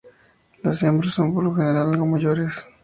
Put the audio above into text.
Las hembras son por lo general algo mayores.